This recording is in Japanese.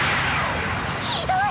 ひどい！